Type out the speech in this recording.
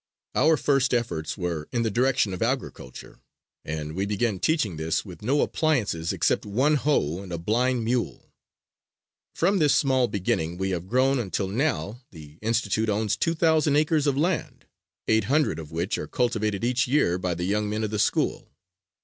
Our first efforts were in the direction of agriculture, and we began teaching this with no appliances except one hoe and a blind mule. From this small beginning we have grown until now the Institute owns two thousand acres of land, eight hundred of which are cultivated each year by the young men of the school.